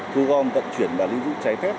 thu gom tận chuyển và lưu dụng trái phép